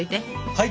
はい。